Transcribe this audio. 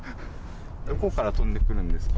どこから飛んでくるんですか？